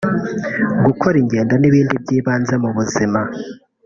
gukora ingendo n’ibindi byibanze mu buzima